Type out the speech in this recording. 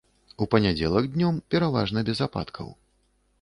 У панядзелак днём пераважна без ападкаў.